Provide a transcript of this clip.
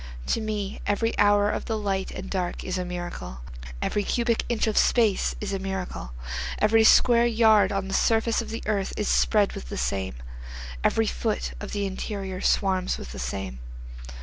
To me every hour of the light and dark is a miracle, Every cubic inch of space is a miracle, Every square yard of the surface of the earth is spread with the same, Every foot of the interior swarms with the same.